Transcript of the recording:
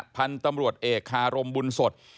พันธุ์ตำรวจเอกคารมบุญสด